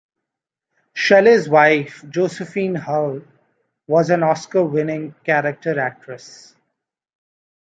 Shelley's wife, Josephine Hull, was an Oscar-winning character actress.